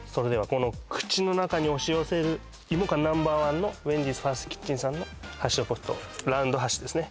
この口の中に押し寄せる芋感Ｎｏ．１のウェンディーズ・ファーストキッチンさんのハッシュドポテトラウンドハッシュですね